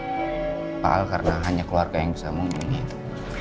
menyangkut pak al karena hanya keluarga yang bisa menghubungi itu